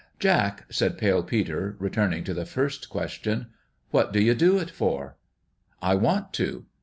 " Jack," said Pale Peter, returning to the first question, " what do you do it for ?"" I want to."